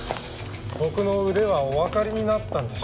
僕の腕はおわかりになったんでしょう？